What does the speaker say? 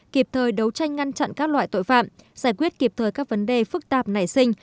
kịp thời đấu tranh ngăn chặn các loại tội phạm giải quyết kịp thời các vấn đề phức tạp nảy sinh